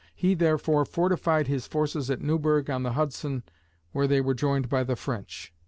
He, therefore, fortified his forces at Newburgh on the Hudson, where they were joined by the French.